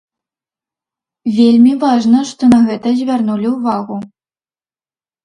Вельмі важна, што на гэта звярнулі ўвагу.